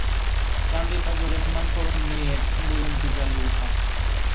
চান্দিনা উপজেলার নামকরণ নিয়ে কিংবদন্তি চালু আছে।